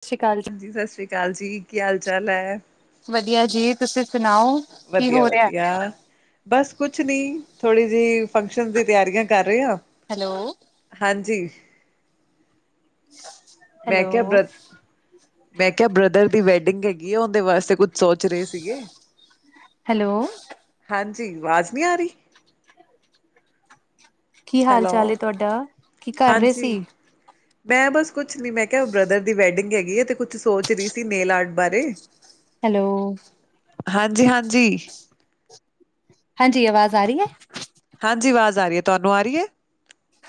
ਸਤਿ ਸ਼੍ਰੀ ਅਕਾਲ ਜੀ। ਹਾਂਜੀ ਸਸ ਸ੍ਰੀ ਕਾਲ ਜੀ, ਕੀ ਹਾਲ ਚਾਲ ਐ। ਵਧੀਆ ਜੀ ਤੁਸੀਂ ਸੁਣਾਓ ਕੀ ਵਧੀਆ ਹੋ ਰਿਆ। ਵਧੀਆ ਬਸ ਕੁਛ ਨੀ ਥੋੜ੍ਹੀ ਜਿਹੀ ਫੰਕਸ਼ਨ ਦੀ ਤਿਆਰੀਆ ਕਰ ਰੇ ਆ। ਹੈਲੋ। ਹਾਂਜੀ। ਮੈਂ ਹੈਲੋ ਕਿਹਾ ਬ੍ਰ ਮੈਂ ਕਿਆ ਬ੍ਰਦਰ ਦੀ ਵੈਡਿੰਗ ਹੈਗੀ ਐ ਉਹਦੇ ਵਾਸਤੇ ਕੁੱਛ ਸੋਚ ਰਹੇ ਸੀਗੇ। ਹੈਲੋ ਹਾਂਜੀ ਵਾਜ਼ ਨੀ ਆ ਰੀ। ਕੀ ਹਾਲ ਹੈਲੋ ਚਾਲ ਏ ਤੁਹਾਡਾ ਕੀ ਕਰ ਰਹੇ ਹਾਂਜੀ ਸੀ। ਮੈਂ ਬਸ ਕੁਛ ਨੀ ਮੈਂ ਕਿਆ ਬ੍ਰਦਰ ਦੀ ਵੈਡਿੰਗ ਹੈਗੀ ਏ ਤੇ ਕੁਛ ਸੋਚ ਰਹੀ ਸੀ ਨੇਲ ਆਰਟ ਬਾਰੇ ਹੈਲੋ ਹਾਂਜੀ-ਹਾਂਜੀ ਹਾਂਜੀ ਆਵਾਜ਼ ਆ ਰੀ ਐ? ਹਾਂਜੀ ਆਵਾਜ਼ ਆ ਰੀ ਐ, ਤੁਆਨੂੰ ਆ ਰੀ ਐ?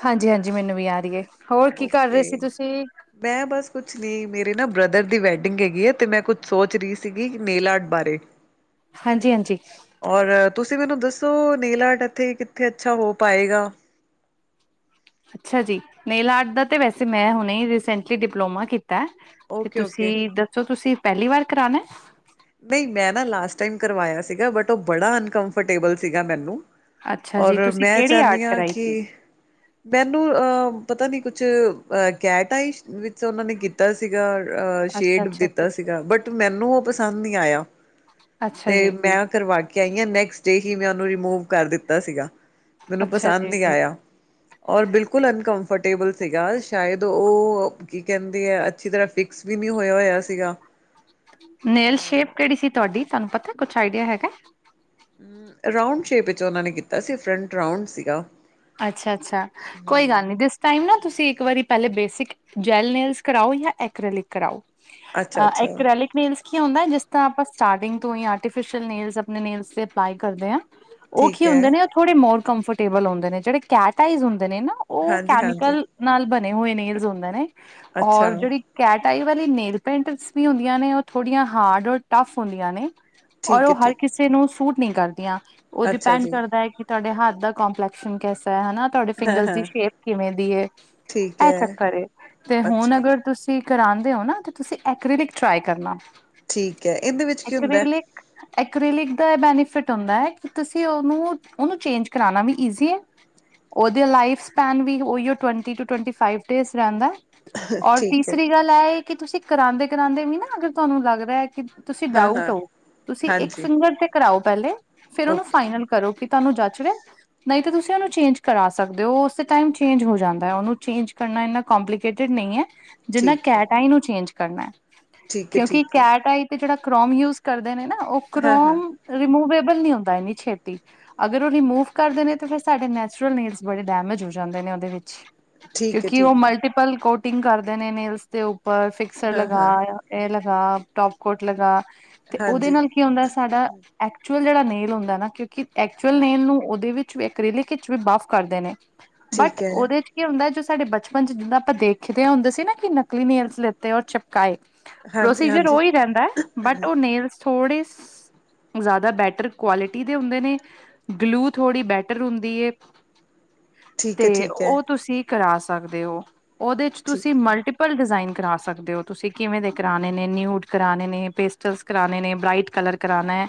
ਹਾਂਜੀ-ਹਾਂਜੀ ਮੈਨੂੰ ਵੀ ਆ ਰੀ ਏ, ਹੋਰ ਕੀ ਕਰ ਰੇ ਸੀ ਓਕੇ ਤੁਸੀਂ? ਮੈਂ ਬਸ ਕੁਛ ਨੀ ਮੇਰੇ ਨਾ ਬ੍ਰਦਰ ਦੀ ਵੈਡਿੰਗ ਹੈਗੀ ਏ ਤੇ ਮੈਂ ਕੁਛ ਸੋਚ ਰੀ ਸੀਗੀ ਨੇਲ ਆਰਟ ਬਾਰੇ। ਹਾਂਜੀ-ਹਾਂਜੀ। ਔਰ ਤੁਸੀਂ ਮੈਨੂੰ ਦੱਸੋ ਨੇਲ ਆਰਟ ਐਥੇ ਕਿੱਥੇ ਅੱਛਾ ਹੋ ਪਾਏਗਾ। ਅੱਛਾ ਜੀ ਨੇਲ ਆਰਟ ਦਾ ਵੈਸੇ ਮੈਂ ਹੁਨੇ ਈ ਰਈਸੇਂਟਲੀ ਡਿਪਲੋਮਾ ਕੀਤਾ ਐ। ਤੇ ਓਕੇ ਓਕੇ ਤੁਸੀਂ ਦੱਸੋ, ਤੁਸੀਂ ਪੈਲੀ ਵਾਰ ਕਰਾਨੈ? ਨਈ ਮੈਂ ਨਾ ਲਾਸਟ ਟਾਈਮ ਕਰਵਾਇਆ ਸੀਗਾ ਬਟ ਓ ਬੜਾ ਅਨਕਫਰਟੇਬਲ ਸੀਗਾ ਮੈਨੂੰ। ਅੱਛਾ ਜੀ ਔਰ ਤੁਸੀਂ ਮੈਂ ਕਿਹੜੀ ਚਾਨੀ ਆਰਟ ਆਂ ਕਰਾਈ ਸੀ। ਕਿ ਮੈਨੂੰ ਅਹ ਪਤਾ ਨੀ ਕੁਛ ਅਹ ਕੈਟਾਈ ਵਿੱਚ ਓਨਾਂ ਨੇ ਕੀਤਾ ਸੀਗਾ। ਅਹ ਅੱਛਾ ਸ਼ੇਡ ਅੱਛਾ ਅੱਛਾ ਦਿੱਤਾ ਅੱਛਾ ਸੀਗਾ ਬਟ ਮੈਨੂੰ ਓ ਪਸੰਦ ਨੀ ਆਏਆ। ਅੱਛਾ ਤੇ ਜੀ ਮੈਂ ਕਰਵਾ ਕੇ ਆਈ ਆਂ, ਨੈਕਸਟ ਡੇ ਹੀ ਮੈਂ ਓਨੂੰ ਰੀਮੂਵ ਕਰ ਦਿੱਤਾ ਸੀਗਾ। ਮੈਨੂੰ ਅੱਛਾ ਪਸੰਦ ਜੀ ਨੀ ਆਏਆ। ਔਰ ਬਿਲਕੁਲ ਅਨਕਫਰਟੇਬਲ ਸੀਗਾ ਸ਼ਾਇਦ ਓ ਕੀ ਕੈਂਦੇ ਐ ਅੱਛੀ ਤਰ੍ਹਾਂ ਫਿਕ ਸ ਵੀ ਨੀ ਹੋਏਆ ਹੋਏਆ ਸੀਗਾ। ਨੇਲ ਸ਼ੇਪ ਕੇੜੀ ਸੀ ਤੁਆਡੀ, ਤੁਆਨੂੰ ਪਤਾ ਕੁਛ ਆਈਡੀਆ ਹੈਗਾ? ਰਾਊਂਡ ਸ਼ੇਪ 'ਚ ਓਨਾਂ ਨੇ ਕੀਤਾ ਸੀ ਫਰੰਟ ਰਾਉਂਡ ਸੀਗਾ। ਅੱਛਾ, ਅੱਛਾ! ਕੋਈ ਹਮ ਗੱਲ ਨਈ ਦਿਸ ਟਾਈਮ ਨਾ ਤੁਸੀਂ ਇੱਕ ਵਾਰੀ ਪੈਲੇ ਬੇਸਿਕ ਜੈਲ ਨੇਲਸ ਕਰਾਓ ਜਾਂ ਐਕ੍ਰਿਲਿਕ ਕਰਾਓ ਅੱਛਾ ਅ, ਅੱਛਾ ਐਕ੍ਰਿਲਿਕ ਨੇਲਸ ਕੀ ਹੁੰਦਾ, ਜਿਸ ਤਰ੍ਹਾਂ ਆਪਾਂ ਸਟਾਰਟਿੰਗ ਤੋਂ ਈ ਆਰਫਿਸ਼ਲ ਨੇਲਸ ਅਪਨੇ ਨੇਲਸ 'ਤੇ ਅਪਲਾਈ ਕਰਦੇ ਆਂ। ਓ ਕੀ ਠੀਕ ਹੈ ਹੁੰਦੇ ਨੇ, ਥੋੜ੍ਹੇ ਮੋਰ ਕੰਫਰਟੇਬਲ ਹੁੰਦੇ ਨੇ, ਜੇੜੇ ਕੈਟ ਆਈਜ਼ ਹੁੰਦੇ ਨੇ ਨਾ ਓ ਹਾਂਜੀ ਹਾਂਜੀ ਕੈਮੀਕਲ ਨਾਲ ਬਨੇ ਹੋਏ ਨੇਲਜ਼ ਹੁੰਦੇ ਨੇ, ਅੱਛਾ ਔਰ ਜੇੜੀ ਕੈਟ ਆਈ ਵਾਲੀ ਨੇਲ ਪੇਟਸ ਵੀ ਹੁੰਦੀਆਂ ਨੇ, ਓ ਥੋੜੀਆਂ ਹਾਰਡ ਔਰ ਟਫ ਹੁੰਦੀਆਂ ਨੇ। ਔਰ ਠੀਕ ਓ ਹੈ ਹਰ ਠੀਕ ਕਿਸੇ ਨੂੰ ਸੂਟ ਨਹੀਂ ਕਰਦੀਆਂ, ਓ ਅੱਛਾ ਡਿਪੈਂਡ ਜੀ ਕਰਦਾ ਐ ਕਿ ਤੁਆਡੇ ਹੱਥ ਦਾ ਕੰਪਲੈਕਸ਼ਨ ਕੈਸਾ ਐ ਹਨਾ? ਤੁਆਡੇ ਫਿੰਗਰਸ ਦੀ ਸ਼ੇਪ ਕਿਵੇਂ ਦੀ ਏ, ਠੀਕ ਐ ਹੈ ਚੱਕਰ ਏ ਤੇ ਹੁਨ ਅੱਛਾ ਅਗਰ ਤੁਸੀਂ ਸੀ ਕਰਾਂਦੇ ਹੋ ਨਾ ਤੁਸੀਂ ਐਕ੍ਰਿਲਿਕ ਟ੍ਰਾਈ ਕਰਨਾ। ਠੀਕ ਐ, ਐਂਦੇ ਵਿੱਚ ਕੀ ਹੁੰਦੈ? ਐਕ੍ਰਲਿਕ ਦਾ ਐ ਬੈਨੀਫਿਟ ਹੁੰਦਾ ਐ ਕਿ ਤੁਸੀਂ ਓਨੂੰ, ਓਨੂੰ ਚੇਂਜ ਕਰਾਨਾ ਵੀ ਈਜ਼ੀ ਏ। ਓਦੇ ਲਾਈਫ ਸਪੈਨ ਵੀ ਓਈਓ ਟਵੈਂਟੀ ਤੋਂ ਟਵੈਂਟੀ ਫ਼ਾਈਵ ਡੇਜ਼ ਰੈਂਦੈ। ਔਰ ਠੀਕ ਹੈ ਤੀਸਰੀ ਗੱਲ ਐ ਏ ਕਿ ਤੁਸੀਂ ਕਰਾਂਦੇ-ਕਰਾਂਦੇ ਵੀ ਨਾ ਅਗਰ ਤੁਆਨੂੰ ਲੱਗਦਾ ਐ ਕਿ ਤੁਸੀਂ ਹਾਂ ਡਾਊਟ ਹਾਂ ਹੋ, ਤੁਸੀਂ ਇੱਕ ਹਾਂਜੀ ਫਿੰਗਰ ਤੇ ਕਰਾਓ ਪੈਲੇ, ਫੇਰ ਓਨੂੰ ਓਕੇ ਫਾਈਨਲ ਕਰੋ ਕਿ ਤੁਆਨੂੰ ਜਚ ਰੇਆ ਨਈ ਤਾਂ ਤੁਸੀਂ ਤੇ ਓਨੂੰ ਚੇਂਜ ਕਰਾ ਸਕਦੇ ਓ, ਓ ਓਸੀ ਟਾਈਮ ਚੇਂਜ ਹੋ ਜਾਂਦਾ, ਓਨੂੰ ਚੇਂਜ ਕਰਨਾ ਇਨਾ ਕਪਲੀਕੇਟਡ ਨਈ ਐ। ਜਿੰਨਾ ਠੀਕ ਹੈ, ਕੈਟ ਆਈ ਨੂੰ ਚੇਂਜ ਕਰਨਾ ਐ, ਠੀਕ ਹੈ, ਕਿਉਂਕਿ ਠੀਕ ਹੈ, ਕੈਟ ਆਈ ਤੇ ਜੇੜਾ ਕਰੋਮ ਯੂਜ਼ ਕਰਦੇ ਨੇ ਨਾ, ਓ ਹਾਂ, ਹਾਂ, ਕਰੋਮ ਰਿਮੂਵੇਬਲ ਨੀ ਹੁੰਦਾ ਇੰਨੀ ਛੇਤੀ, ਅਗਰ ਓ ਰਿਮੂਵ ਕਰਦੇ ਨੇ ਤੇ ਫਿਰ ਸਾਡੇ ਨੈਚੁਰਲ ਨੈਲਸ ਬੜੇ ਡੈਮੇਜ ਹੋ ਜਾਂਦੇ ਨੇ ਓਦੇ ਵਿੱਚ ਠੀਕ ਹੈ, ਕਿਉਂਕਿ ਓ ਠੀਕ ਹੈ, ਮਲਟੀਪ ਪਲ ਕੋਟਿੰਗ ਕਰਦੇ ਨੇ ਨੇੇਲਸ ਦੇ ਉੱਪਰ, ਫਿਕਸਰ ਹਾਂ, ਲਗਾ ਹਾਂ, ਐ ਲਗਾ, ਟੋਪ ਕੋਟ ਲਗਾ ਤੇ ਓਦੇ ਹਾਂਜੀ, ਨਾਲ ਕੀ ਹੁੰਦਾ, ਸਾਡਾ ਐਕਚੁਅਲ ਜੇੜਾ ਨੇਲ ਹੁੰਦਾ ਨਾ, ਕਿਉਂਕਿ ਐਕਚੁਅਲ ਹਾਂ, ਨੇਲ ਨੂੰ ਓਦੇ ਵਿੱਚ ਐਕ੍ਰਿਲਿਕ ਵਿੱਚ ਵੀ ਬਫ਼ ਕਰਦੇ ਨੇ, ਬਟ ਠੀਕ ਹੈ, ਓਦੇ 'ਚ ਕੀ ਹੁੰਦਾ ਜੋ ਸਾਡੇ ਬਚਪਨ 'ਚ ਜਿੱਦਾਂ ਆਪਾਂ ਦੇਖਦੇ ਹੁੰਦੇ ਸੀ ਨਾ ਕਿ ਨਕਲੀ ਨੇਲਸ ਲਿੱਤੇ ਔਰ ਚਿਪ ਹਾਂਜੀ, ਪ੍ਰੋਸੀਜਰ ਹਾਂਜੀ, ਓ ਹੀ ਰਹਿੰਦਾ ਹੈ, ਬਟ ਉਹ ਨੇਲਸ ਥੋੜੇ ਜ਼ਿਆਦਾ ਬੈਟਰ ਕੁਆਲਿਟੀ ਦੇ ਹੁੰਦੇ ਨੇ, ਗਲੂ ਥੋੜ੍ਹੀ ਬੈ ਹੁੰਦੀ ਹੈ, ਠੀਕ ਹੈ, ਤੇ ਠੀਕ ਹੈ, ਉਹ ਤੁਸੀਂ ਕਰਾ ਸਕਦੇ ਹੋ। ਉਹਦੇ 'ਚ ਤੁਸੀਂ ਠੀਕ ਹੈ, ਮਲਟੀ ਪਲ ਡਿਜ਼ਾਇਨ ਕਰਾ ਸਕਦੇ ਹੋ, ਤੁਸੀਂ ਕਿਵੇਂ ਦੇ ਕਰਾਉਣੇ ਨੇ, ਨਿਊਡ ਕਰਾਉਣੇ ਨੇ, ਪੇਸਟਲਸ ਕਰਾਣੇ ਨੇ, ਬ੍ਰਾਈਟ ਕਲਰ ਕਰਾਣਾ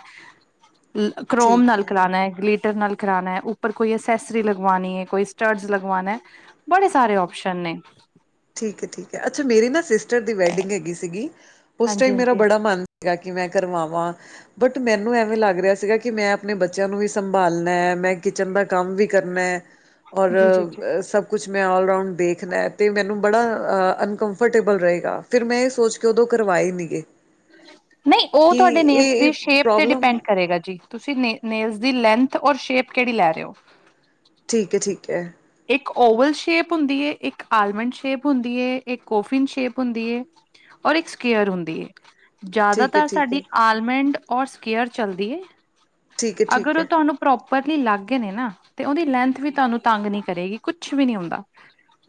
ਕਰੋਮ ਨਾਲ ਕਰਾਉਣਾ ਹੈ, ਗਲੀਟਰ ਨਾਲ ਕਰਾਣਾ ਹੈ ਉਪਰ ਕੋਈ ਐਸੈਸਰੀ ਲਗਵਾਉਣੀ ਹੈ, ਕੋਈ ਸਟਰਡਸ ਲਗਵਾਉਣਾ, ਬੜੇ ਸਾਰੇ ਓਪਸ਼ਨ ਨੇ। ਠੀਕ ਹੈ, ਠੀਕ ਹੈ। ਅੱਛਾ, ਮੇਰੀ ਨਾ ਸਿਸਟਰ ਦੀ ਵੈਡਿੰਗ ਹੈਗੀ ਸੀਗੀ, ਉਸ ਹਾਂਜੀ ਟਾਈਮ ਮੇਰਾ ਹਾਂਜੀ ਬੜਾ ਮਨ ਕਿ ਮੈਂ ਕਿਵੇਂ ਕਰਵਾਵਾਂ। ਬਟ ਮੈਨੂੰ ਐਵੇਂ ਲੱਗ ਰਿਹਾ ਸੀਗਾ ਕਿ ਮੈਂ ਆਪਣੇ ਬੱਚਿਆਂ ਨੂੰ ਵੀ ਸੰਭਾਲਣਾ ਹੈ, ਮੈਂ ਕਿਚਨ ਦਾ ਕੰਮ ਵੀ ਕਰਨਾ ਹੈ ਜੀ ਜੀ ਜੀ ਔਰ ਸਭ ਕੁਛ, ਮੈਂ ਆਲਰਾਊਂਡ ਦੇਖਣਾ ਅਤੇ ਮੈਨੂੰ ਬੜਾ ਅਨਕੰਫਰਟੇਬਲ ਰਹੇਗਾ। ਫਿਰ ਮੈਂ ਇਹ ਸੋਚ ਕੇ ਉਦੋਂ ਕਰਵਾਏ ਨੀ ਗੇ। ਨਹੀਂ, ਉਹ ਕਿ ਤੁਹਾਡੇ ਨੇਲਸ ਇਹ ਦੀ ਸ਼ੇਪ ਤੇ ਪ੍ਰੋਬਲਮ ਡਿਪੈਂਡ ਕਰੇਗਾ ਜੀ। ਤੁਸੀਂ ਨੈਲ ਦੀ ਲੈਂਥ ਔਰ ਸ਼ੇਪ ਕਿਹੜੀ ਲੈ ਰਹੇ ਹੋ। ਠੀਕ ਹੈ, ਠੀਕ ਹੈ। ਇੱਕ ਓਵਲ ਸ਼ੇਪ ਹੁੰਦੀ ਹੈ, ਇੱਕ ਆਲਮੰਡ ਸ਼ੇਪ ਹੁੰਦੀ ਹੈ, ਇੱਕ ਕੋਫਿਨ ਸ਼ੇਪ ਹੁੰਦੀ ਹੈ ਔਰ ਇੱਕ ਸਕੇਅਰ ਹੁੰਦੀ ਏ। ਠੀਕ ਹੈ ਜ਼ਿਆਦਾਤਰ ਠੀਕ ਹੈ ਸਾਡੀ ਆਲਮੰਡ ਔਰ ਸਕੇਅਰ ਚੱਲਦੀ ਏ। ਠੀਕ ਹੈ ਅਗਰ ਠੀਕ ਉਹ ਹੈ ਤੁਹਾਨੂੰ ਪ੍ਰੋਪਰਲੀ ਲੱਗ ਗਏ ਨੇ ਨਾ, ਤੇ ਉਹਦੀ ਲੈਂਥ ਵੀ ਤੁਹਾਨੂੰ ਤੰਗ ਨੀ ਕਰੇਗੀ, ਕੁਛ ਵੀ ਨਹੀਂ ਹੁੰਦਾ,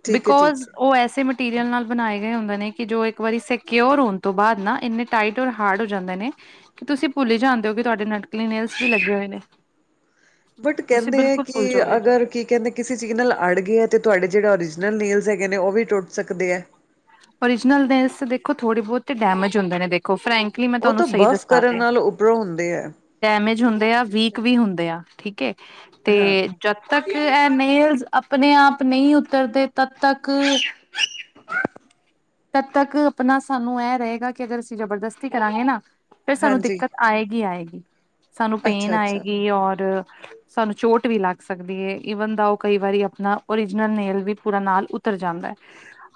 ਠੀਕ ਹੈ ਬਿਕੋਜ ਠੀਕ ਹੈ ਉਹ ਐਸੇ ਮ ਮਟੀਰੀਅਲ ਨਾਲ ਬਣਾਏ ਗਏ ਹੁੰਦੇ ਨੇ ਕਿ ਜੋ ਇੱਕ ਵਾਰੀ ਸਕਿਓਰ ਹੋਣ ਤੋਂ ਬਾਅਦ ਨਾ, ਇੰਨੇ ਟਾਈਟ ਔਰ ਹਾਰਡ ਹੋ ਜਾਂਦੇ ਨੇ। ਕਿ ਤੁਸੀਂ ਭੁੱਲ ਹੀ ਜਾਣਦੇ ਹੋ ਕਿ ਤੁਹਾਡੇ ਨਟਕਲੀਨਲ ਵੀ ਲੱਗੇ ਹੋਏ ਨੇ। ਬਟ ਤੁਸੀਂ ਕਹਿੰਦੇ ਹੈ ਬਿਲਕੁਲ ਭੁੱਲ ਕਿ ਜਾਓਗੇ। ਅਗਰ ਕੀ ਕਹਿੰਦੇ ਕਿਸੇ ਚੀਜ਼ ਨਾਲ ਅੜ ਗਏ ਹੈ ਤੇ ਤੁਹਾਡੇ ਜਿਹੜੇ ਓਰੀਜਨਲ ਨੀਲਜ਼ ਹੈਗੇ ਨੇ ਉਹ ਵੀ ਟੁੱਟ ਸਕਦੇ ਹੈ। ਓਰੀਜਨਲ ਦੇਖੋ ਥੋੜੇ ਬਹੁਤ ਡੈਮੇਜ ਹੁੰਦੇ ਨੇ ਦੇਖੋ ਫਰੈਂਕ ਉਹ ਤਾਂ ਵਫ਼ ਕਰਨ ਨਾਲੋਂ ਉਪਰੋਂ ਹੁੰਦੇ ਹੈ। ਡੈਮੇਜ ਹੁੰਦੇ ਆ ਜਿਸ ਵੀਕ ਟਾਈਮ ਵੀ ਹੁੰਦੇ ਆ ਠੀਕ ਹੈ ਤੇ ਹਾਂ ਜਦ ਤੱਕ ਇਹ ਨੇਲਜ਼ ਆਪਣੇ ਆਪ ਨਹੀਂ ਉਤਰਦੇ ਤਦ ਤੱਕ ਹ [inaudible] ਤਦ ਤੱਕ ਆਪਣਾ ਸਾਨੂੰ ਇਹ ਰਹੇਗਾ, ਕਿ ਅਗਰ ਅਸੀਂ ਜਬਰਦਸਤੀ ਕਰਾਂਗੇ ਨਾ ਫਿਰ ਸਾਨੂੰ ਹਾਂਜੀ ਦਿੱਕਤ ਆਏਗੀ-ਆਏਗੀ ਸਾਨੂੰ ਪੇਨ ਅੱਛਾ ਅੱਛਾ ਆਏਗੀ ਔਰ ਸਾਨੂੰ ਚੋਟ ਵੀ ਲੱਗ ਸਕਦੀ ਹੈ, ਈਵਨ ਦਾ ਉਹ ਕਈ ਵਾਰੀ ਆਪਣਾ ਓਰੀਜਨਲ ਨੇਲ ਵੀ ਪੂਰਾ ਨਾਲ ਉਤਰ ਜਾਂਦਾ ਹੈ।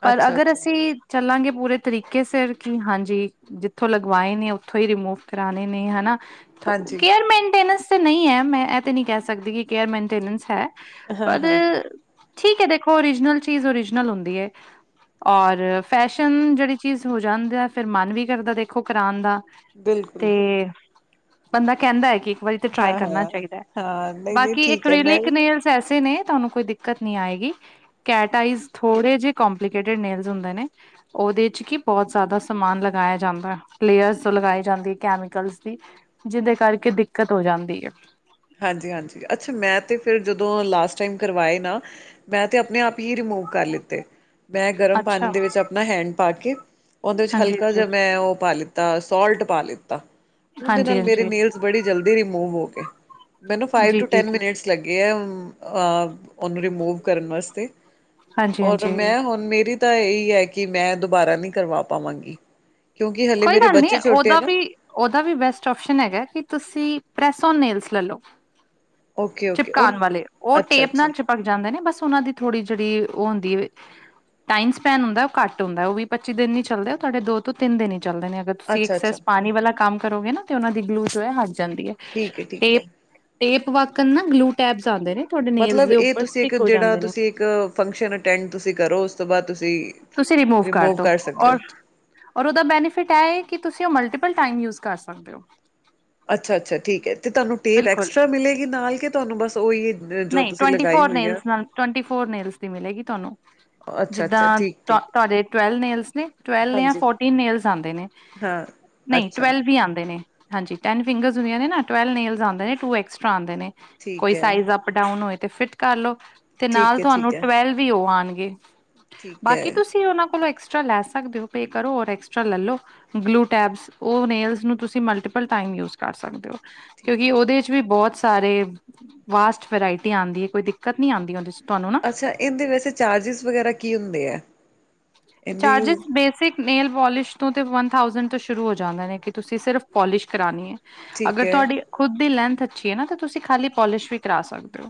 ਪਰ ਅੱਛਾ ਅਗਰ ਅੱਛਾ ਅਸੀਂ ਚੱਲਾਂਗੇ ਪੂਰੇ ਤਰੀਕੇ ਸਿਰ ਕਿ ਹਾਂਜੀ। ਜਿੱਥੋਂ ਲਗਵਾਏ ਨੇ, ਉੱਥੋਂ ਹੀ ਰਿਮੂਵ ਕਰਾਣੇ ਨੇ ਹਨਾ। ਹਾਂਜੀ ਕੇਅਰ ਮੇਨਟੇਨੈਂਸ ਤੇ ਨਹੀਂ ਹੈ ਮੈਂ ਇਹ ਤੇ ਨੀ ਕਹਿ ਸਕਦੀ ਕਿ ਕੇਅਰ ਮੇਨਟੇਨੈਂਸ ਹੈ। ਹਾਂ ਪਰ ਹਾਂ ਠੀਕ ਹੈ ਦੇਖੋ ਓਰੀਜਨਲ ਚੀਜ਼ ਓਰੀਜਨਲ ਹੁੰਦੀ ਹੈ। ਔਰ ਫੈਸ਼ਨ ਜਿਹੜੀ ਚੀਜ਼ ਹੋ ਜਾਂਦੀ ਆ ਫਿਰ ਮਨ ਵੀ ਕਰਦਾ ਦੇਖੋ ਕਰਾਉਣ ਦਾ। ਬਿਲਕੁਲ ਤੇ ਬੰਦਾ ਕਹਿੰਦਾ ਹੈ ਕਿ ਵਾਰੀ ਤੇ ਟਰਾਈ ਹਾਂ ਕਰਨਾ ਹਾਂ ਚਾਹੀਦਾ ਹੈ ਹਾਂ ਨਹੀਂ ਨਹੀਂ ਬਾਕੀ ਠੀਕ ਹੈ ਇਕੇਲੇ ਮੈਂ ਵੀ ਕਨੇਲ ਐਸੇ ਨੇ ਤੁਹਾਨੂੰ ਕੋਈ ਦੀਕ ਦਿੱਕਤ ਨਹੀਂ ਆਏਗੀ। ਕੈਟ ਆਈਸ ਥੋੜੇ ਜਿਹੇ ਕੋਮਪਲੀਕੇਟਿਵ ਨੇਲਸ ਹੁੰਦੇ ਨੇ। ਉਹਦੇ ਚ ਕੀ ਬਹੁਤ ਜ਼ਿਆਦਾ ਸਮਾਨ ਲਗਾਇਆ ਜਾਂਦਾ, ਲੇਅਰਸ ਲਗਾਈ ਜਾਂਦੀ ਹੈ ਕੈਮੀਕਲਸ ਦੀ। ਜਿਹਦੇ ਕਰਕੇ ਦਿੱਕਤ ਹੋ ਜਾਂਦੀ ਹੈ। ਹਾਂਜੀ-ਹਾਂਜੀ ਅੱਛਾ ਮੈਂ ਤਾਂ ਫਿਰ ਜਦੋਂ ਲਾਸਟ ਟਾਈਮ ਕਰਵਾਏ ਨਾ ਮੈਂ ਤੇ ਆਪਣੇ ਆਪ ਹੀ ਰਿਮੂਵ ਕਰ ਲਿੱਤੇ। ਮੈਂ ਗਰਮ ਅੱਛਾ ਪਾਨੀ ਦੇ ਵਿੱਚ ਆਪਣਾ ਹੈਂਡ ਪਾ ਕੇ, ਓਦੇ ਵਿੱਚ ਹਾਂਜੀ ਹਲਕਾ ਜਿਆ ਹਾਂਜੀ ਮੈਂ ਓ ਪਾ ਲਿੱ ਤ ਸੋਲਟ ਪਾ ਲਿੱਤਾ ਉਂਦੇ ਹਾਂਜੀ ਨਾਲ ਮੇਰੇ ਹਾਂਜੀ। ਨੇਲਸ ਬੜੀ ਜਲਦੀ ਰਿਮੂਵ ਹੋਗੇ। ਮੈਨੂੰ ਫਾਈਵ ਜੀ ਟੂ ਜੀ ਟੈਨ ਜੀ ਮਿਨਟਸ ਲੱਗੇ ਆ ਅ ਓਨੂੰ ਰਿਮੂਵ ਕਰਨ ਵਾਸਤੇ ਹਾਂਜੀ ਔਰ ਹਾਂਜੀ ਮੈਂ ਹੁਣ ਮੇਰੀ ਤਾਂ ਐਈ ਐ ਕਿ ਮੈਂ ਦੁਬਾਰਾ ਨੀ ਕਰਵਾ ਪਾਵਾਂਗੀ ਕਿਉਂਕਿ ਹਲੇ ਮੇਰੇ ਬੱਚੇ ਛੋਟੇ ਆ ਨਾ ਓਦਾ ਵੀ ਬੈਸਟ ਓਸ਼ਨ ਹੈਗਾ ਕਿ ਤੁਸੀਂ ਪ੍ਰੈਸ ਓਨ ਨੇਲਸ ਲੈ ਲਓ। ਓਕੇ-ਓਕੇ ਚਿਪਕਾਪ ਵਾਲੇ ਓ ਟੇਪ ਨਾ ਅੱਛਾ-ਅੱਛਾ, ਚਿਪ ਭਗ ਜਾਂਦੇ ਨੇ ਬਸ ਉਨਾਂ ਦੀ ਥੋੜੀ ਜਿੜੀ ਓ ਹੁੰਦੀ ਏ ਟਾਈਮ ਸਪੈਨ ਹੁੰਦਾ ਓ ਕੱਟ ਹੁੰਦਾ ਵੀ-ਪੱਚੀ ਦਿਨ ਨੀ ਚੱਲਦੇ ਓ ਤੁਆਡੇ ਦੋ ਤੋਂ ਤਿੰਨ ਈ ਚੱਲਦੇ ਨੇ ਅਗਰ ਤੁਸੀਂ ਇੱਕ ਸਸ ਅੱਛਾ-ਅੱਛਾ ਪਾਨੀ ਵਾਲਾ ਕੰਮ ਕਰੋਗੇ ਨਾ ਤੇ ਓਨਾਂ ਦੀ ਗਲੂ ਜੋ ਏ ਓ ਹਟ ਜਾਂਦੀ ਐ। ਠੀਕ ਐ-ਠੀਕ ਐ। ਟੇਪ ਵਾਕਣ ਨਾ ਗਲੂ ਟੈਪਸ ਆਂਦੇ ਨੇ ਤੁਆਡੇ ਨੇਲ ਮਤਲਬ ਦੇ ਇਹ ਉੱਪਰ ਤੁਸੀਂ ਇੱਕ ਸਟਿੱਕ ਹੋ ਜਿਹੜਾ ਜਾਂਦੇ ਨੇ। ਤੁਸੀਂ ਇੱਕ ਫੰਕਸ਼ਨ ਅਟੈਂਡ ਤੁਸੀਂ ਕਰੋ ਉਸ ਤੋਂ ਬਾਦ ਤੁਸੀਂ ਤੁਸੀਂ ਰਿਮੂਵ ਕਰਦੋ ਕਰ ਸਕਦੇ ਹੋ ਔਰ ਔਰ ਓਦਾ ਬੈਨੀਫਿਟ ਐ ਏ ਕਿ ਤੁਸੀਂ ਓ ਮਲਟੀਪਲ ਟਾਈਮ ਯੂਜ ਕਰ ਸਕਦੇ ਹੋ। ਅੱਛਾ-ਅੱਛਾ ਠੀਕ ਐ ਤੇ ਤੁਆਨੂੰ ਟੇਪ ਬਿਲਕੁਲ ਐਕਸਟਰਾ ਮਿਲੇਗੀ ਨਾਲ ਕਿ ਤੁਆਨੂੰ ਬਸ ਓਈ ਜੋ ਨਹੀਂ ਤੁਸੀਂ ਟਵੰਟੀ ਲਗਾਈ ਫੋਰ ਹੋਈ ਆ ਨੇਲਸ ਨਾਲ ਟਵੰਟੀ ਫੋਰ ਨੇਲਸ ਦੀ ਮਿਲੇਗੀ ਅੱਛਾ-ਅੱਛਾ ਠੀਕ ਤੁਅ ਠੀਕ ਤੁਆਡੇ ਟਵਲਵ ਨੇਲਸ ਨੇ ਟਵੈਲ ਯਾਂ ਹਾਂਜੀ ਫੋਰਟੀਨ ਨੇਲਸ ਆਂਦੇ ਨੇ, ਹਾਂ ਨਈ ਅੱਛਾ ਟਵੈਲਵ ਈ ਆਂਦੇ ਨੇ। ਹਾਂਜੀ ਟੈਨ ਫਿੰਗਰ ਹੁੰਦੀਆ ਨੇ ਨਾ ਟਵੇਲਵ ਨੇਲਸ ਆਂਦੇ ਨੇ ਟੂ ਐਕਸਟਰਾ ਆਂਦੇ ਨੇ ਕੋਈ ਠੀਕ ਹੈ ਸਾਈਜ਼ ਦਾ ਅਪ ਡਾਊਨ ਹੋਏ ਤੇ ਫਿਟ ਕਰ ਲੋ, ਤੇ ਠੀਕ ਨਾਲ ਹੈ ਤੁਆਨੂੰ ਠੀਕ ਹੈ ਟਵੇਲਵ ਵੀ ਓ ਆਣਗੇ। ਠੀਕ ਹੈ ਬਾਕੀ ਤੁਸੀਂ ਓਨਾਂ ਕੋਲੋਂ ਐਕਸਟਰਾ ਲੈ ਸਕਦੇ ਹੋ ਪੇ ਕਰੋ ਔਰ ਐਕਸਟਰਾ ਲੈਲੋ। ਗਲੂ ਟੈਬਸ ਓ ਨੇੇਲਜ਼ ਨੂੰ ਤੁਸੀਂ ਮਲਟੀਪਲ ਟਾਈਮ ਯੂਜ ਕਰ ਸਕਦੇ ਓ। ਠੀਕ ਹੈ ਕਿਉਂਕਿ ਠੀਕ ਓਦੇ ਚ ਵੀ ਬੋਤ ਸਾਰੇ ਵਾਸਟ ਵੈਰਾਇਟੀ ਆਂਦੀ ਏ ਕੋਈ ਦਿੱਕਤ ਨੀ ਆਂਦੀ ਓਦੇ ਚ ਤੁਹਾਨੂੰ ਨਾ। ਅੱਛਾ ਏਂਦੇ ਵੈਸੇ ਚਾਰਜਿਸ ਵਗੈਰਾ ਕੀ ਹੁੰਦੇ ਆ ਏਂਦੀ ਚਾਰਜਿਸ ਬੇਸਿਕ ਨੇਲ ਪੋਲਿਸ਼ ਤੋਂ ਤੇ ਵੰਨ ਥਾਊਸੈਂਡ ਤੋਂ ਸ਼ੁਰੂ ਹੋ ਜਾਂਦੇ ਨੇ ਕਿ ਤੁਸੀਂ ਸਿਰਫ ਪੋਲਿਸ਼ ਕਰਾਣੀ ਏ। ਠੀਕ ਅਗਰ ਹੈ ਤੁਆਡੀ ਖੁਦ ਦੀ ਲੈਂਥ ਅੱਛੀ ਏ ਨਾ ਤੁਸੀਂ ਖਾਲੀ ਪੋਲਿਸ਼ ਵੀ ਕਰ ਸਕਦੇ ਓ।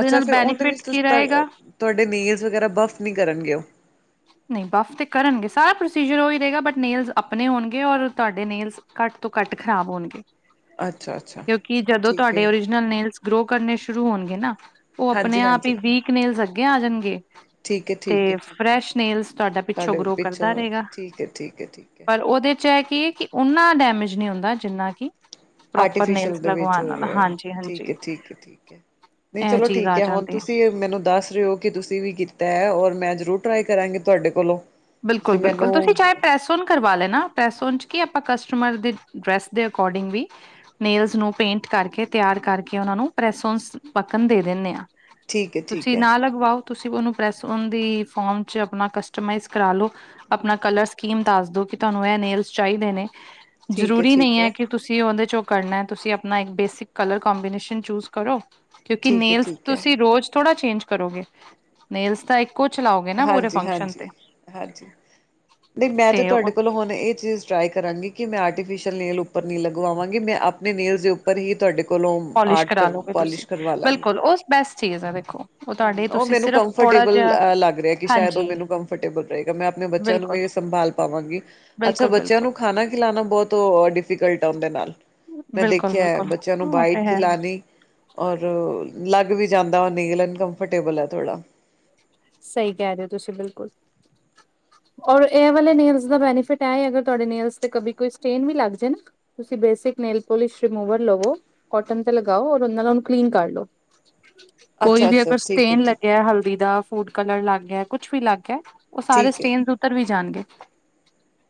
ਅੱਛਾ, ਫੇਰ ਓਂਦੇ ਵਿੱਚ ਤੂੰਸ ਤਾ ਤੁਹਾਡੇ ਨੇਲਸ ਵਗੈਰਾ ਬਫ ਨੀ ਕਰਨਗੇ ਓ। [inaudible] ਨਈ ਬਫ ਤੇ ਕਰਣਗੇ, ਸਾਰਾ ਪ੍ਰੋਸੀਜਰ ਓਈ ਰਹੇਗਾ ਬਟ ਨੇਲਸ ਆਪਣੇ ਹੋਣਗੇ ਔਰ ਤੁਆਡੇ ਨੇਲਸ ਕੱਟ ਤੋਂ ਕੱਟ ਖ਼ਰਾਬ ਹੋਣਗੇ। ਅੱਛਾ-ਅੱਛਾ ਕਿਉਂਕਿ ਜਦੋਂ ਠੀਕ ਏ ਤੁਆਡੇ ਓਰੀਜਨਲ ਨੇਲਸ ਗਰੋ ਕਰਨੇ ਸ਼ੁਰੂ ਹੋਣਗੇ ਨਾ ਓ ਆਪਣੇ ਆਪ ਹਾਂਜੀ-ਹਾਂਜੀ ਈ ਵੀਕ ਨੇਲਜ਼ ਅੱਗੇ ਆ ਜਾਣਗੇ ਠੀਕ ਤੇ ਏ-ਠੀਕ ਏ-ਠੀਕ ਏ ਫਰੈਸ਼ ਨੇਲਸ ਤੁਆਡਾ ਪਿੱਛੋਂ ਤੁਹਾਡੇ ਗਰੋ ਕਰਦਾ ਪਿੱਛੋਂ ਰਹੇਗਾ। ਠੀਕ ਏ-ਠੀਕ ਏ-ਠੀਕ ਏ ਪਰ ਓਦੇ ਚ ਐ ਏ ਕਿ ਓਨਾ ਡੈਮੇਜ ਨੀ ਹੁੰਦਾ ਜਿੰਨਾ ਕਿ ਪ੍ਰੋਪਰ ਆਰਟੀਫਿਸ਼ਲ ਨੇਲਸ ਲਗਵਾਨ ਨਾਲ, ਹਾਂਜੀ-ਹਾਂਜੀ। ਨਈ, ਚਲੋ ਠੀਕ ਐ ਹੁਣ ਜਾਂਦੀ ਹੈ ਤੁਸੀਂ? ਮੈਨੂੰ ਦੱਸ ਰਹੇ ਓ ਕਿ ਤੁਸੀਂ ਵੀ ਕੀਤਾ ਐ ਔਰ ਮੈਂ ਜ਼ਰੂਰ ਟਰਾਈ ਕਰਾਂਗੀ ਤੁਆਡੇ ਕੋਲੋਂ। ਤੁਸੀਂ ਬਿਲਕੁਲ-ਬਿਲਕੁਲ ਮੈਨੂੰ ਤੁਸੀਂ ਚਾਹੇ ਪੈਸ ਓਨ ਕਰਵਾ ਲੈਣਾ, ਪ੍ਰੈਸ ਓਣ ਚ ਕੀ ਆਪਾਂ ਕਸਟਮਰ ਦੇ ਡਰੈਸ ਦੇ ਅਕੋਰਡਿੰਗ ਵੀ ਨੇਲਜ਼ ਨੂੰ ਪੇਂਟ ਕਰਕੇ, ਤਿਆਰ ਕਰਕੇ, ਓਨਾਂ ਨੂੰ ਪ੍ਰੈਸ ਓਂਸ ਪੱਕਣ ਦੇ ਦਿੰਦੇ ਆ। ਠੀਕ ਏ-ਠੀਕ ਤੁਸੀਂ ਨਾ ਲਗਵਾਓ, ਤੁਸੀਂ ਓਨੂੰ ਪ੍ਰੈਸ ਓਨ ਦੀ ਫੋਮ ਚ ਆਪਣਾ ਕਸਟਮਾਈਜ਼ ਕਰਾ ਲੋ, ਆਪਣਾ ਕਲਰ ਸਕੀਮ ਦੱਸ ਦੋ, ਕਿ ਤੁਹਾਨੂੰ ਇਹ ਨੇਲਜ਼ ਚਾਹੀਦੇ ਨੇ। ਏ-ਠੀਕ ਜ਼ਰੂਰੀ ਨਹੀਂ ਏ-ਠੀਕ ਹੈ, ਕਿ ਤੁਸੀਂ ਉਹਦੇ ਚੋਂ ਕਰਨਾ ਹੈ। ਤੁਸੀਂ ਆਪਣਾ ਇੱਕ ਬੇਸਿਕ ਕਲਰ ਕੋਮਬੀਨੈਸ਼ਨ ਚੂਜ ਕਰੋ। ਕਿਉਂਕਿ, ਏ-ਠੀਕ ਨੇਲਸ ਏ-ਠੀਕ ਏ ਤੁਸੀਂ ਰੋਜ਼ ਥੋੜਾ ਚੇਂਜ ਕਰੋਗੇ, ਨੇਲਸ ਦਾ ਇੱਕ ਕੁਛ ਲਾਓਗੇ, ਨਾ ਪੂਰੇ ਫੰਕਸ਼ਨ ਤੇ। ਹਾਂਜੀ-ਹਾਂਜੀ, ਨਹੀਂ ਮੈਂ ਤੇ ਤੁਹਾਡੇ ਕੋਲੋਂ ਹੁਣ ਇਹ ਚੀਜ਼ ਟਰਾਈ ਕਰਾਂਗੀ, ਕਿ ਮੈਂ ਆਰਟੀਫਿਸ਼ਅਲ ਨੇਲ ਉੱਪਰ ਨਹੀਂ ਲਗਵਾਵਾਂਗੀ। ਮੈਂ ਆਪਣੇ ਨੇਲਸ ਦੇ ਉੱਪਰ ਹੀ ਤੁਹਾਡੇ ਕੋਲੋਂ ਪੋਲਿਸ਼ ਆਰਟ ਕਰ ਕਰਾ ਲੋਗੇ ਤੁਸੀਂ, ਪੋਲਿਸ਼ ਕਰਵਾ ਬਿਲਕੁਲ ਉਸ ਬੈਸਟ ਚੀਜ਼ ਹੈ, ਦੇਖੋ। ਉਹ ਹੂੰ, ਤੁਹਾਡੇ ਉਹ ਤੁਸੀਂ ਮੈਨੂੰ ਸਿਰਫ ਥੋੜਾ ਕੰਫਰਟੇਬਲ ਜਿਹਾ ਅ ਲੱਗ ਰਿਹਾ, ਕਿ ਸ਼ਾਇਦ ਹਾਂਜੀ, ਉਹ ਮੈਨੂੰ ਕੰਫਰਟੇਬਲ ਰਹੇਗਾ। ਮੈਂ ਆਪਣੇ ਬੱਚਿਆਂ ਨੂੰ ਬਿਲਕੁਲ, ਵੀ ਸੰਭਾਲ ਪਾਵਾਂਗੀ। ਅੱਛਾ ਬਿਲਕੁਲ। ਬੱਚਿਆਂ ਬਿਲਕੁਲ, ਨੂੰ ਖਾਣਾ ਖਿਲਾਉਣਾ, ਬਹੁਤ ਉਹ ਡਿਫੀਕਲਟ ਆ, ਉਹਦੇ ਨਾਲ। ਮੈਂ ਬਿਲਕੁਲ, ਦੇਖਿਆ ਹੈ, ਬਿਲਕੁਲ ਬੱਚਿਆਂ ਨੂੰ ਉਹ ਬਾਈਟ ਤੇ ਹੈ। ਖਿਲਾਣੀ। ਔਰ ਲੱਗ ਵੀ ਜਾਂਦਾ, ਉਹ ਨੇਲ ਅਨਕੰਫਰਟੇਬਲ ਹੈ ਥੋੜ੍ਹਾ। ਸਹੀ ਕਹਿ ਰਹੇ ਹੋ, ਤੁਸੀਂ ਬਿਲਕੁਲ। ਔਰ ਇਹ ਵਾਲੇ ਨੇਲਸ ਦਾ ਬੈਨੀਫਿਟ ਇਹ ਆ, ਅਗਰ ਤੁਹਾਡੇ ਨੇਲਸ ਤੇ ਕਬੀ ਕੋਈ ਸਟੇਨ ਵੀ ਲੱਗ ਜੇ ਨਾ - ਤੁਸੀਂ ਬੇਸਿਕ ਨੇਲ ਪੋਲਿਸ਼ ਰਿਮੂਵਰ ਲਵੋ, ਕੋਟਨ ਤੇ ਲਗਾਓ, ਔਰ ਉਹਨਾਂ ਨਾਲ ਉਹਨੂੰ ਕਲੀਨ ਕਰ ਲੋ। ਕੋਈ ਅੱਛਾ ਵੀ ਅੱਛਾ ਅਗਰ ਠੀਕ ਹੈ ਸਟੇਨ ਠੀਕ ਹੈ ਲੱਗਿਆ, ਹਲਕਾ- ਹਲਦੀ ਦਾ, ਫੂਡ ਕਲਰ ਲਗ ਗਿਆ, ਕੁਛ ਵੀ ਲੱਗ ਗਿਆ, ਉਹ ਸਾਰੇ ਠੀਕ ਹੈ ਸਟੇਨ ਉਤਰ ਵੀ ਜਾਣਗੇ।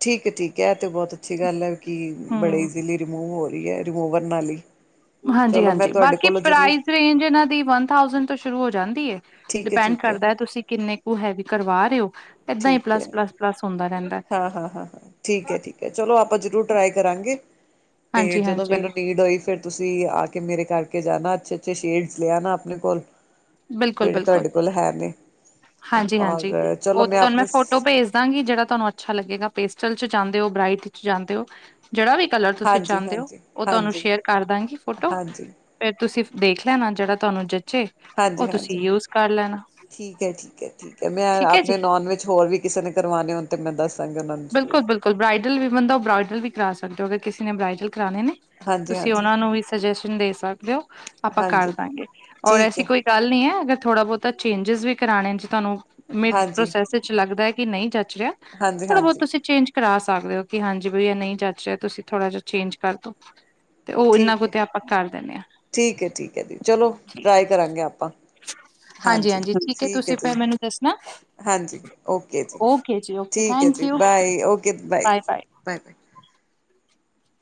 ਠੀਕ ਹੈ, ਠੀਕ ਹੈ, ਇਹ ਤਾਂ ਬਹੁਤ ਅੱਛੀ ਗੱਲ ਹੈ। ਕਿ ਬੜੇ ਹੂੰ। ਈਜ਼ੀਲੀ ਰਿਮੂਵ ਹੋ ਰਹੀ ਹੈ, ਰਿਮੂਵਰ ਨਾਲ ਹੀ। ਚਲੋ ਮੈਂ ਹਾਂਜੀ-ਹਾਂਜੀ ਤੁਹਾਡੇ ਬਾਕੀ ਕੋਲੋਂ ਜ਼ਰੂਰ ਪ੍ਰਾਈਜ਼ ਰੇਂਜ ਇਹਨਾਂ ਦੀ ਵਨ ਥਾਸੈਂਡ ਤੋਂ ਸ਼ੁਰੂ ਹੋ ਜਾਂਦੀ ਹੈ। ਠੀਕ ਹੈ ਡਿਪੈਂਡ ਠੀਕ ਹੈ ਕਰਦਾ ਤੁਸੀਂ ਕਿੰਨੇ ਕੁ ਹੈਵੀ ਕਰਵਾ ਰਹੇ ਹੋ। ਏਦਾਂ ਹੀ ਪਲੱਸ-ਪਲੱਸ-ਪਲੱਸ ਹੁੰਦਾ ਰਹਿੰਦਾ। ਹਾਂ-ਹਾਂ- ਹਾਂ ਠੀਕ ਹੈ- ਠੀਕ ਹੈ, ਚਲੋ। ਆਪਾਂ ਜ਼ਰੂਰ ਟਰਾਈ ਕਰਾਂਗੇ। ਤੇ ਹਾਂਜੀ ਜਦੋਂ ਹਾਂਜੀ ਮੈਨੂੰ ਨੀਂਡ ਹੋਈ ਫਿਰ ਤੁਸੀਂ ਆ ਕੇ ਮੇਰੇ ਕਰਕੇ ਜਾਣਾ, ਅੱਛੇ -ਅੱਛੇ ਸ਼ੇਡ ਲੈ ਆਣਾ ਆਪਣੇ ਕੋਲ। ਬਿਲਕੁ- ਜਿਹੜੇ ਬਿਲਕੁਲ ਤੁਹਾਡੇ ਕੋਲ ਹੈ ਨੇ ਹਾਂਜੀ-ਹਾਂਜੀ ਔਰ ਚਲੋ ਉਹ ਤੁਹਾਨੂੰ ਮੈਂ ਆਪਣੀ ਫੋਟੋ ਭੇਜ ਭੇਜਦਾਂਗੀ, ਕਿ ਜਿਹੜਾ ਤੁਹਾਨੂੰ ਅੱਛਾ ਲੱਗੇਗਾ, ਪੇਸਟਲ 'ਚ ਜਾਂਦੇ ਹੋ, ਬ੍ਰਾਈਟ ਚ ਜਾਂਦੇ ਹੋ। ਜਿਹੜਾ ਵੀ ਕਲਰ ਤੁਸੀਂ ਹਾਂਜੀ ਚਾਹੁੰਦੇ ਹੋ, ਹਾਂਜੀ ਉਹ ਤੁਹਾਨੂੰ ਹਾਂਜੀ ਹਾਂਜੀ ਸ਼ੇਅਰ ਕਰ ਦਾਂਗੀ ਫੋਟੋ। ਹਾਂਜੀ ਫਿਰ ਤੁਸੀਂ ਦੇਖ ਲੈਣਾ, ਜਿਹੜਾ ਤੁਹਾਨੂੰ ਜਚੇ। ਉਹ ਹਾਂਜੀ- ਹਾਂਜੀ। ਤੁਸੀਂ ਯੂਜ ਕਰ ਲੈਣਾ ਠੀਕ ਹੈ-ਠੀਕ ਹੈ- ਠੀਕ ਹੈ, ਮੈਂ ਠੀਕ ਹੈ ਜੀ। ਆਪਣੇ ਨੋਨ ਵਿੱਚ ਹੋਰ ਵੀ ਕਿਸੇ ਨੇ ਕਰਵਾਉਣੇ, ਹੋਣ 'ਤੇ ਮੈਂ ਦੱਸ ਬਿਲਕੁਲ-ਬਿਲਕੁਲ ਬ੍ਰਈਡਲ ਵੀ ਬੰਦਾ, ਉਹ ਬ੍ਰਈਡਲ ਵੀ ਕਰਾ ਸਕਦੇ ਹੋ, ਅਗਰ ਕਿਸੇ ਨੇ ਬ੍ਰਈਡਲ ਕਰਾਉਣੇ ਨੇ। ਹਾਂਜੀ ਤੁਸੀਂ ਹਾਂਜੀ ਉਹਨਾਂ ਨੂੰ ਵੀ ਸੁਜੈਸ਼ਨ ਦੇ ਸਕਦੇ ਹੋ, ਆਪਾਂ ਕਰ ਹਾਂਜੀ ਦਾਂਗੇ, ਔਰ ਠੀਕ ਐਸੀਂ ਹੈ ਕੋਈ ਗੱਲ ਨੀ ਹੈ, ਅਗਰ ਥੋੜਾ ਬਹੁਤਾ ਚੇਂਜਿਸ ਵੀ ਕਰਾਣੇ 'ਚ ਤੁਹਾਨੂੰ ਮ ਹਾਂਜੀ ਪ੍ਰੋਸੈਸ ਵਿਚ ਲੱਗਦਾ ਹੈ ਕਿ ਨਹੀਂ ਜਚ ਰਿਹਾ, ਹਾਂਜੀ ਥੋੜਾ ਬਹੁਤ ਹਾਂਜੀ ਤੁਸੀਂ ਚੇਂਜ ਕਰਾ ਸਕਦੇ ਹੋ, ਕਿ ਹਾਂਜੀ ਬਈਆ ਨਹੀਂ ਜਚ ਰਿਹਾ ਤੁਸੀਂ ਥੋੜਾ ਜਿਹਾ ਚੇਂਜ ਕਰਦੋ। ਠੀਕ ਹੈ -ਠੀਕ ਹੈ- ਠੀਕ ਹੈ ਜੀ, ਚਲੋ ਟਰਾਈ ਕਰਾਂਗੇ ਆਪਾਂ। ਹਾਂਜੀ ਹਾਂਜੀ-ਹਾਂਜੀ ਠੀਕ ਹੈ ਤੁਸੀਂ ਜੀ, ਫਿਰ ਮੈਨੂੰ ਦੱਸਣਾ ਹਾਂਜੀ ਓਕੇ ਜੀ ਓਕੇ ਜੀ ਓਕੇ ਠੀਕ। ਉਕੇ ਥੈਂਕ ਜੀ you bye, okay bye bye bye. -Bye- bye.